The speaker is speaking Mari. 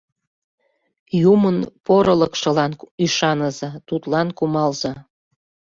— Юмын порылыкшылан ӱшаныза, тудлан кумалза.